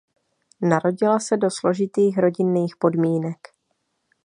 Narodila se do složitých rodinných podmínek.